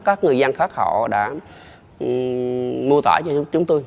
các người dân khác họ đã mô tả cho chúng tôi